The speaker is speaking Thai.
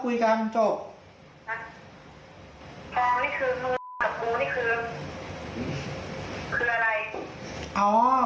คืออะไร